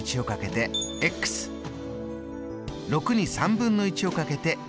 ６にをかけて２。